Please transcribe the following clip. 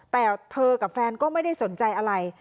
แต่เธอกับแฟนก็ไม่ได้สนใจอะไร